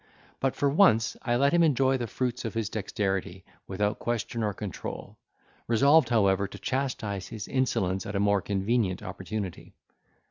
But for once I let him enjoy the fruits of his dexterity without question or control, resolved however to chastise his insolence at a more convenient opportunity.